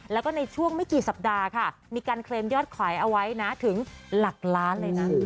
แล้วก็ในช่วงไม่กี่สัปดาห์ค่ะมีการเคลมยอดขายเอาไว้นะถึงหลักล้านเลยนะ